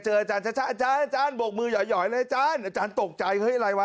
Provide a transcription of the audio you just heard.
อาจารย์ชะอาจารย์บกมือหย่อยเลยอาจารย์อาจารย์ตกใจเฮ้ยอะไรวะ